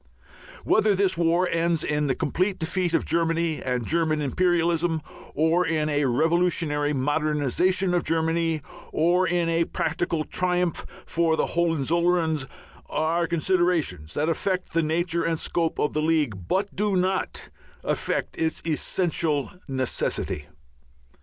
Whether this war ends in the complete defeat of Germany and German imperialism, or in a revolutionary modernization of Germany, or in a practical triumph for the Hohenzollerns, are considerations that affect the nature and scope of the League, but do not affect its essential necessity.